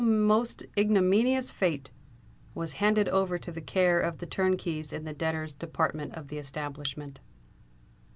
most ignominious fate!—was handed over to the care of the turnkeys in the debtors' department of the establishment.